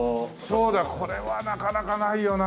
そうだよこれはなかなかないよな。